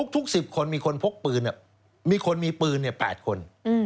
๑๐คนมีคนพกปืนมีคนมีปืน๘คน